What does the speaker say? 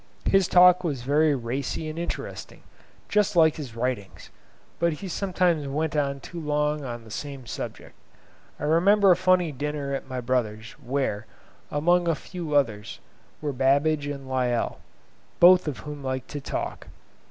His talk was very racy and interesting, just like his writings, but he sometimes went on too long on the same subject. I remember a funny dinner at my brother's, where, amongst a few others, were Babbage and Lyell, both of whom liked to talk.